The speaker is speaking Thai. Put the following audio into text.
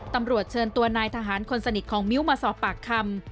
ตำรวจเชิญตัวนายทหารคนสนิทของมิ้วมาสอบปากคำ